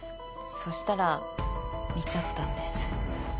そしたら見ちゃったんです。